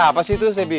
apa sih itu sebi